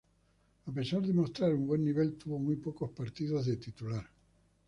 A pesar de mostrar un buen nivel, tuvo muy pocos partidos de titular.